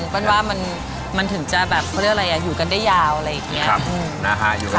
เพราะฉะนั้นว่ามันถึงจะแบบเพราะอะไรอยู่กันได้ยาวอะไรอย่างนี้